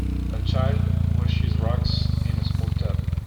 A child washes rocks in a small tub.